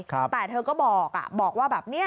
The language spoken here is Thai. แต่เธอก็บอกบอกว่าแบบนี้